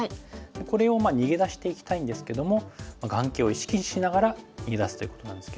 これを逃げ出していきたいんですけども眼形を意識しながら逃げ出すということなんですけど。